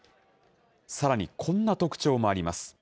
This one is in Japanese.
さらにこんな特徴もあります。